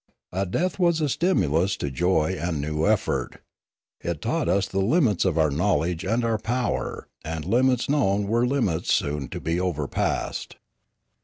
A death was a stimulus to joy and new effort. It taught us the limits of our knowledge and our power; and limits known were limits soon to be overpassed.